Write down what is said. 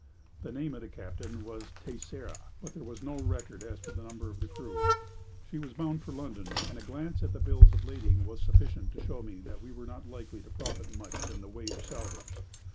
The name of the captain was Texeira, but there was no record as to the number of the crew. She was bound for London, and a glance at the bills of lading was sufficient to show me that we were not likely to profit much in the way of salvage.